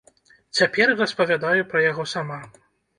Цяпер распавядаю пра яго сама.